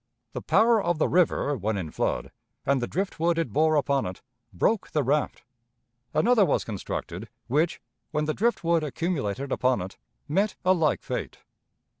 The power of the river when in flood, and the drift wood it bore upon it, broke the raft; another was constructed, which, when the drift wood accumulated upon it, met a like fate.